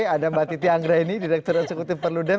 ada mbak titi anggraini direktur eksekutif perludem